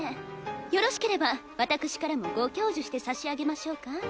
よろしければ私からもご教授してさしあげましょうか？